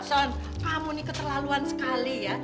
son kamu ini keterlaluan sekali ya